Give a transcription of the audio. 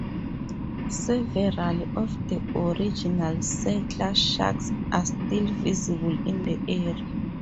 Several of the original settler shacks are still visible in the area.